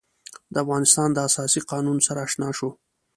د افغانستان د اساسي قانون سره آشنا شو.